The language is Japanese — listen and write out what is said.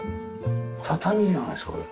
畳じゃないですかこれ。